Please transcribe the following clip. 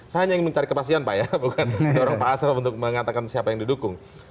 saya hanya ingin mencari kepastian pak ya bukan dorong pak asraf untuk mengatakan siapa yang didukung